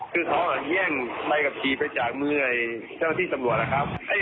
คือเขาแย่งไม่ยากกับขี่ไปจากมื้อเจ้าหน้าที่สำรวจนะครับ